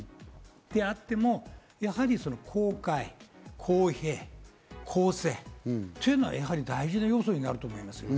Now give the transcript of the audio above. であっても、やはり公開、公平、公正というのは大事な要素になると思います。